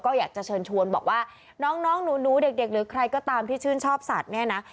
ก็อยากจะเชิญชวนบอกว่าน้องหนูเด็กหรือใครก็ตามที่ชื่นชอบสัตว์เนี่ยนะ